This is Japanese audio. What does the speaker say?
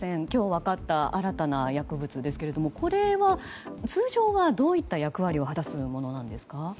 今日、新たに分かった薬物ですけれども通常は、どういった役割を果たすものなんですか。